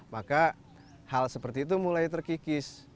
maka hal seperti itu mulai terkikis